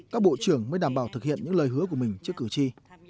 các bộ trưởng mới đảm bảo thực hiện những lời hứa của mình trước cử tri